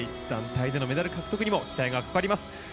団体でのメダル獲得にも期待がかかります。